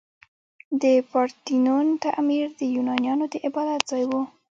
د پارتینون تعمیر د یونانیانو د عبادت ځای و.